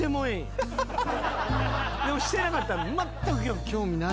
でもしてなかったらまったく興味ない。